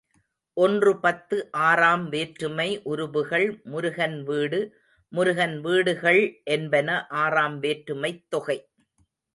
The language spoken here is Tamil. ஒன்று பத்து ஆறாம் வேற்றுமை உருபுகள் முருகன் வீடு, முருகன் வீடுகள் என்பன ஆறாம் வேற்றுமைத் தொகை.